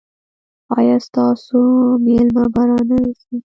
ایا ستاسو میلمه به را نه ځي؟